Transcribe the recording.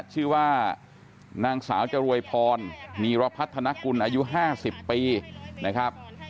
ชื่อว่านางสาวจรวยพรีรพัฒนากุลอายุ๕๐ปีนะครับ